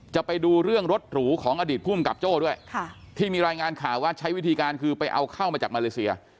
จะไปดูเรื่องรถหรูของอดีตภูมิกับโจ้ด้วยที่มีรายงานข่าวว่าใช้วิธีการคือไปเอาเข้ามาจากมาเลเซีย